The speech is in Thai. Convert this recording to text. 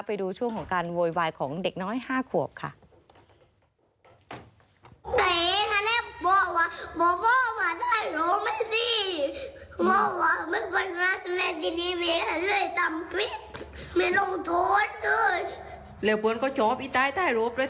ไปดูช่วงของการโวยวายของเด็กน้อย๕ขวบค่ะ